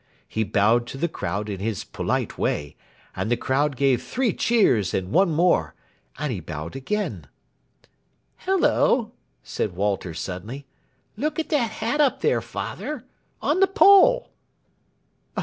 He bowed to the crowd in his polite way, and the crowd gave three cheers and one more, and he bowed again. "Hullo!" said Walter suddenly; "look at that hat up there, father. On the pole."